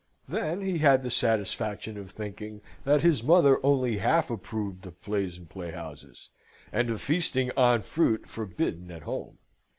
Then he had the satisfaction of thinking that his mother only half approved of plays and playhouses, and of feasting on fruit forbidden at home.